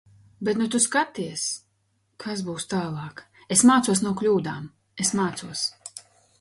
Bet nu, tu skaties... kas būs tālāk... Es mācos no kļūdām. Es mācos.